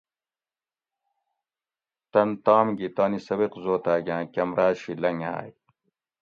تن تام گی تانی سبِق زوتاگاۤں کمراۤ شی لنگاۤئ